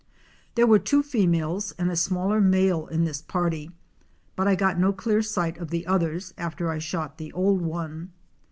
There were two females and a smaller male in this party, but I got no clear sight of the others after I shot the old one.